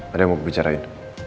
ada yang mau dibicarain